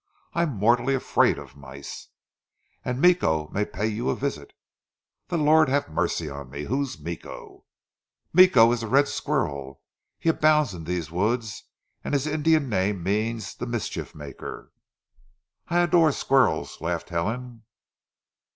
"I'm mortally afraid of mice!" "And Meeko may pay you a visit." "The Lord have mercy on me! Who is Meeko?" "Meeko is the red squirrel. He abounds in these woods and his Indian name means the mischief maker." "I adore squirrels," laughed Helen.